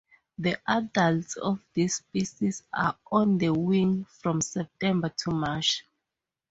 The adults of this species are on the wing from September to March.